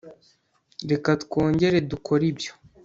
reka twongere dukore ibyo